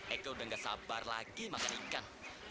eke udah gak sabar lagi makan ikan